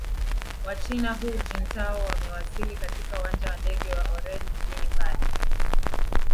wa china hu jintao amewasili katika uwanja wa ndege wa orel jijini pari